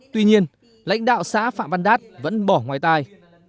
tuy nhiên lãnh đạo xã phạm văn đát vẫn bỏ ngoài tài